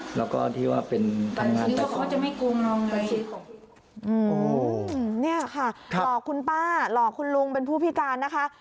อืมนี่ค่ะหลอกคุณป้าหลอกคุณลุงเป็นผู้พิการนะคะ